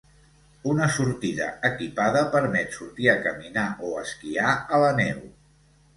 Una sortida equipada permet sortir a caminar o esquiar a la neu.